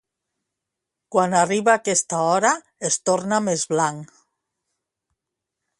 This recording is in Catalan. Quan arriba aquesta hora es torna més blanc